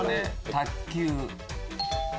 卓球。